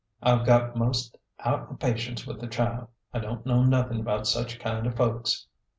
I've got 'most out o' patience with the child. I don't know nothin' about such kind of folks."